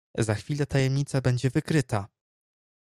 "Za chwilę tajemnica będzie wykryta!"